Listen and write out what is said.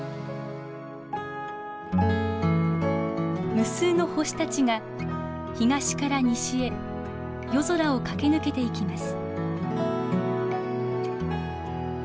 無数の星たちが東から西へ夜空を駆け抜けていきます。